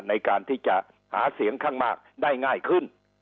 ในการที่จะหาเสียงข้างมากได้ง่ายขึ้น